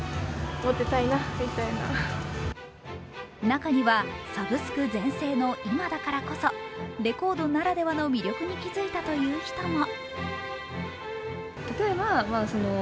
中には、サブスク全盛の今だからこそ、レコードならではの魅力に気づいたという人も。